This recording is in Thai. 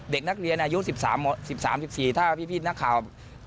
เด็กนักเรียนอายุ๑๓๑๔ถ้าพี่นักข่าว